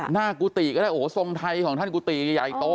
กุฏิก็ได้โอ้โหทรงไทยของท่านกุฏิใหญ่โต